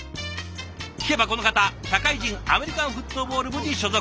聞けばこの方社会人アメリカンフットボール部に所属。